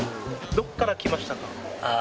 どっから来ましたか？